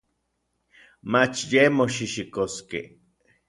Mach yej moxijxikoskej.